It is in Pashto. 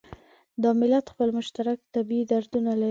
دا ملت خپل مشترک طبعي دردونه لري.